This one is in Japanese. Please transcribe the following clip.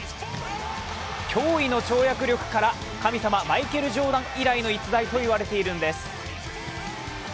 驚異の跳躍力から神様・マイケル・ジョーダン以来の逸材といわれているんです。